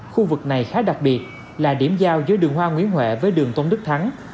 khu vực này khá đặc biệt là điểm giao giữa đường hoa nguyễn huệ với đường tôn đức thắng